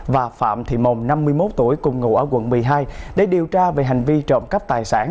và phạm thị mồng năm mươi một tuổi cùng ngủ ở quận một mươi hai để điều tra về hành vi trộm cắp tài sản